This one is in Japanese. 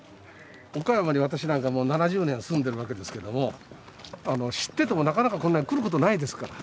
岡山に私なんかもう７０年住んでるわけですけども知っててもなかなかこんな来ることないですから。